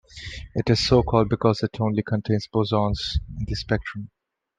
It is so called because it only contains bosons in the spectrum.